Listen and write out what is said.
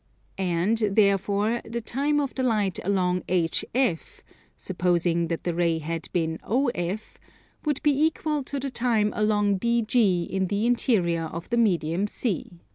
And, therefore, the time of the light along HF, supposing that the ray had been OF, would be equal to the time along BG in the interior of the medium C.